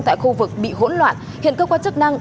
tại khu vực bị hỗn loạn hiện cơ quan chức năng